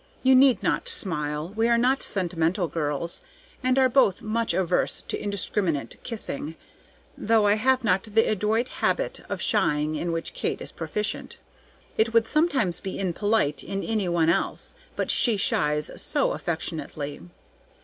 You need not smile; we are not sentimental girls, and are both much averse to indiscriminate kissing, though I have not the adroit habit of shying in which Kate is proficient. It would sometimes be impolite in any one else, but she shies so affectionately.